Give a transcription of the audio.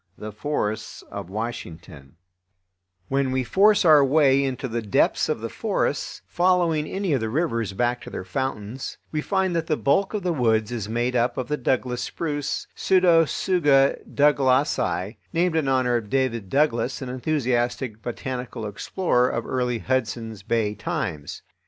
The Forests of Washington When we force our way into the depths of the forests, following any of the rivers back to their fountains, we find that the bulk of the woods is made up of the Douglas spruce (Pseudotsuga Douglasii), named in honor of David Douglas, an enthusiastic botanical explorer of early Hudson's Bay times.